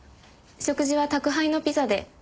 食事は宅配のピザで。